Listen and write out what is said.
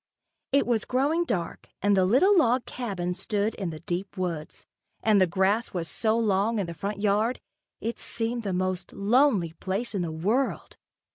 It was growing dark and the little log cabin stood in the deep woods, and the grass was so long in the front yard, it seemed the most lonely place in the world.